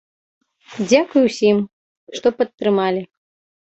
Дзякуй усім, што падтрымалі.